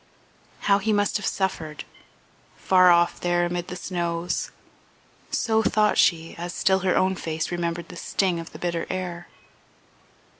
How he must have suffered, far off there amid the snows! So thought she, as still her own face remembered the sting of the bitter air.